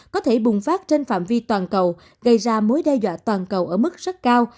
có thể bùng phát trên phạm vi toàn cầu gây ra mối đe dọa toàn cầu ở mức rất cao